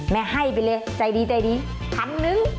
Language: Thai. แม่ให้ไปเลยใจดีทันหนึ่ง